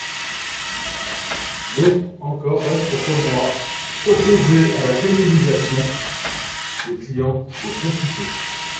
D’autres encore restent, comme moi, opposés à la pénalisation des clients de prostituées.